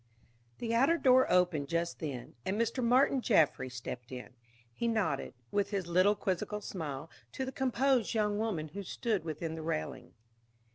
The outer door opened just then, and Mr. Martin Jaffry stepped in. He nodded, with his little quizzical smile, to the composed young woman who stood within the railing.